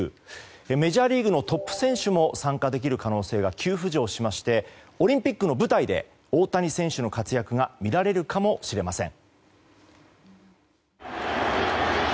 メジャーリーグのトップ選手も参加できる可能性が急浮上しましてオリンピックの舞台で大谷選手の活躍が見られるかもしれません。